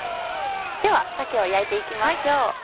では鮭を焼いて行きましょう。